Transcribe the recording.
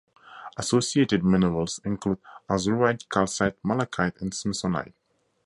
Associated minerals include azurite, calcite, malachite, and smithsonite.